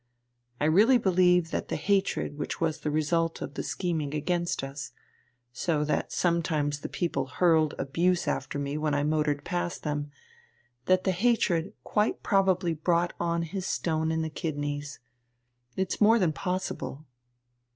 I really believe that the hatred which was the result of the scheming against us, so that sometimes the people hurled abuse after me when I motored past them that the hatred quite probably brought on his stone in the kidneys; it's more than possible."